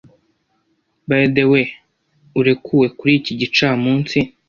By the way, urekuwe kuri iki gicamunsi?